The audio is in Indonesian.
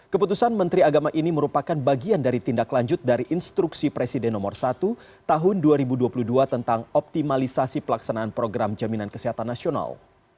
keputusan menteri agama ini merupakan bagian dari tindak lanjut dari instruksi presiden nomor satu tahun dua ribu dua puluh dua tentang optimalisasi pelaksanaan program jaminan kesehatan nasional